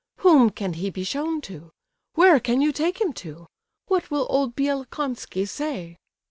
Whom can he be shown to? Where can you take him to? What will old Bielokonski say?